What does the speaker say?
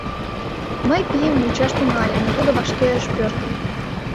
Мый пийым вучаш тӱҥальым, но тудо вашке ыш пӧртыл.